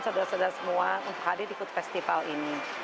saudara saudara semua untuk hadir ikut festival ini